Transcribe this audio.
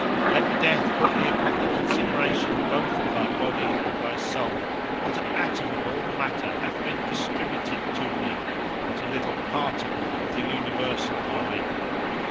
"Let death put thee upon the consideration both of thy body and thy soul: what an atom of all matter hath been distributed to thee; what a little particle of the universal mind.